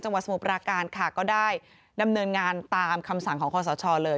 จังหวัดสมุปราการค่ะก็ได้ดำเนินงานตามคำสั่งของข้อสาวชอบ์เลย